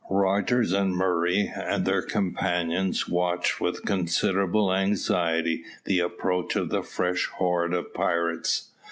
Rogers and Murray, and their companions, watched with considerable anxiety the approach of the fresh horde of pirates.